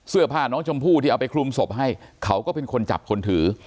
เสื้อผ้าน้องชมพู่ที่เอาไปคลุมศพให้เขาก็เป็นคนจับคนถือ